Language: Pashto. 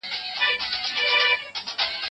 ده د باور فضا پياوړې کړه.